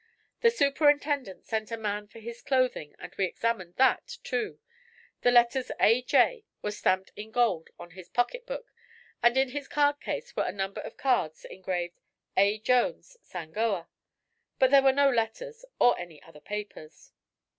The superintendent sent a man for his clothing and we examined that, too. The letters 'A.J.' were stamped in gold on his pocketbook, and in his cardcase were a number of cards engraved: 'A. Jones, Sangoa.' But there were no letters, or any other papers."